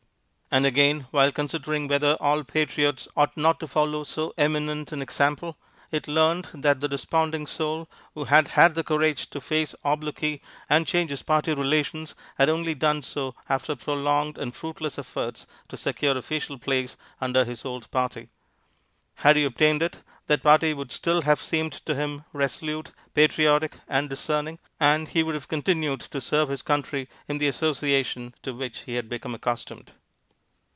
And again, while considering whether all patriots ought not to follow so eminent an example, it learned that the desponding soul who had had the courage to face obloquy and change his party relations had only done so after prolonged and fruitless efforts to secure official place under his old party. Had he obtained it that party would still have seemed to him resolute, patriotic, and discerning, and he would have continued to serve his country in the association to which he had become accustomed.